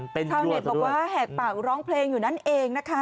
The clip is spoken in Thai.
ชาวเน็ตบอกว่าแหกปากร้องเพลงอยู่นั่นเองนะคะ